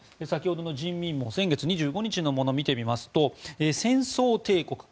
先ほどの人民網先月２５日のものを見てみますと戦争帝国